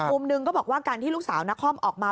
มุมหนึ่งก็บอกว่าการที่ลูกสาวนครออกมา